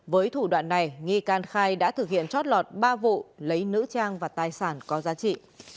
với thủ đoạn này nghi can khai đã thực hiện chót lọt ba vụ lấy nữ trang và tài sản có giá trị